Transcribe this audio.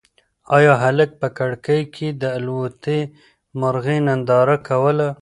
ایا هلک په کړکۍ کې د الوتی مرغۍ ننداره کوله؟